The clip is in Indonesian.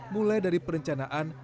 mulai dari perencanaan